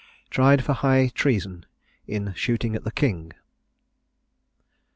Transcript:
TRIED FOR HIGH TREASON, IN SHOOTING AT THE KING.